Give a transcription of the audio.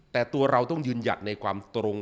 แต่ตัวเราต้องยืนหยัดในความตรง